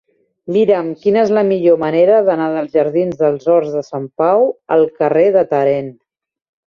Mira'm quina és la millor manera d'anar dels jardins dels Horts de Sant Pau al carrer de Tàrent.